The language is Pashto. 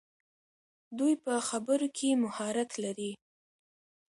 دوی په خبرو کې مهارت لري.